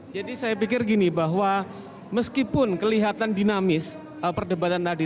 jadi saya pikir gini bahwa meskipun kelihatan dinamis perdebatan tadi